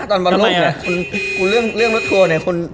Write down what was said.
ตอนบนโลกน่ะเรื่องรถทัวร์เนี่ย